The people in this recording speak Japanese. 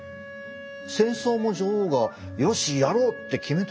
戦争も女王が「よしやろう！」って決めたんでしょうか？